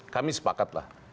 kami sepakat lah